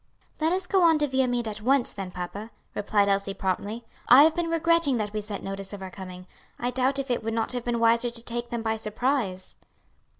"Let us go on to Viamede at once then, papa," replied Elsie, promptly. "I have been regretting that we sent notice of our coming. I doubt if it would not have been wiser to take them by surprise."